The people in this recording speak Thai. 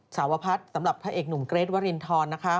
สาวพัฒน์สำหรับพระเอกหนุ่มเกรทวรินทรนะคะ